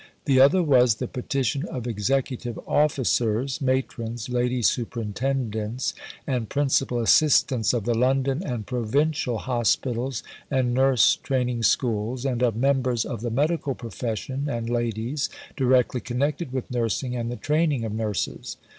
The other was the "Petition of Executive Officers, Matrons, Lady Superintendents, and Principal Assistants of the London and Provincial Hospitals and Nurse Training Schools, and of Members of the Medical Profession and Ladies directly connected with Nursing and the Training of Nurses."